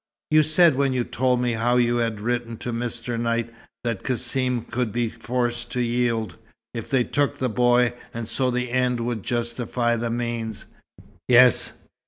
"You said, when you told me how you had written to Mr. Knight, that Cassim would be forced to yield, if they took the boy, and so the end would justify the means." "Yes.